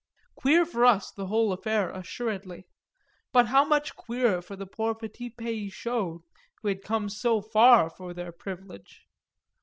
Queer for us the whole affair, assuredly; but how much queerer for the poor petits pays chauds who had come so far for their privilege.